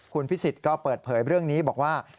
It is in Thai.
คุณพิสิทธิ์ก็เปิดเผยเรื่องนี้บอกว่า